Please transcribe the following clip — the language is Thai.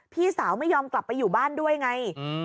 พี่สาวไม่ยอมกลับไปอยู่บ้านด้วยไง